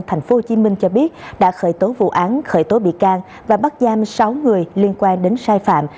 thành phố hồ chí minh cho biết đã khởi tố vụ án khởi tố bị can và bắt giam sáu người liên quan đến sai phạm